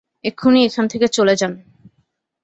এক্ষুনি এখান থেকে চলে যান!